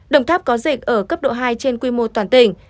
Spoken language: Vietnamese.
đồng tháp có dịch ở cấp độ hai trên quy mô toàn tỉnh